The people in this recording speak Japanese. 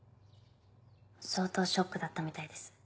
相当ショックだったみたいです。